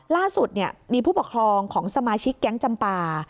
ล่าสุดมีผู้ปกครองของสมาชิกแก๊งจำปา